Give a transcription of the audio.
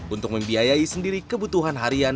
untuk membiayai sendiri kebutuhan harian